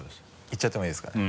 いっちゃってもいいですかね？